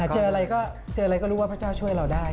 เจออะไรก็รู้ว่าพระเจ้าช่วยเราได้